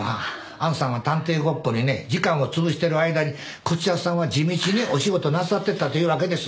あんさんが探偵ごっこにね時間をつぶしてる間にこちらさんは地道にお仕事なさってたというわけです。